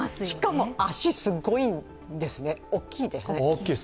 しかも足、すごいですね、大きいですね。